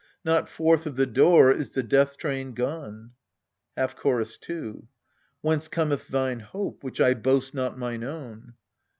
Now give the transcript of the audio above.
Not forth of the door is the death train gone. Half Chorus 2. Whence cometh thine hope, which I boast not mine own